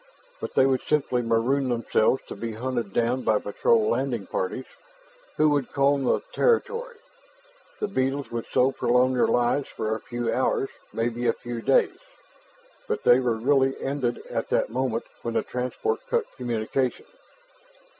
But they would simply maroon themselves to be hunted down by patrol landing parties who would comb the territory. The beetles could so prolong their lives for a few hours, maybe a few days, but they were really ended on that moment when the transport cut communication.